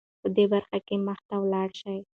په دې برخه کې مخته ولاړه شې .